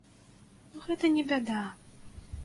Ну, гэта не бяда!